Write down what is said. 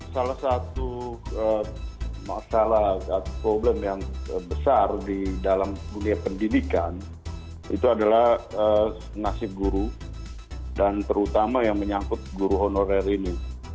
salah satu masalah atau problem yang besar di dalam dunia pendidikan itu adalah nasib guru dan terutama yang menyangkut guru honorer ini